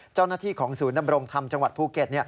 เจ้าหน้าที่ของศูนย์ดำรงธรรมจังหวัดภูเก็ต